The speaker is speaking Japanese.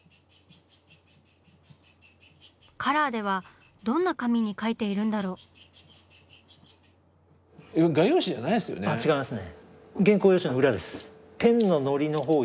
カラーではどんな紙に描いているんだろう？違いますね。